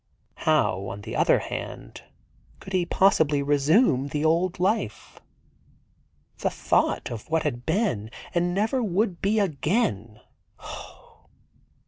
How, on the other hand, could he possibly resume the old life? The thought of what had been and never would be again — oh!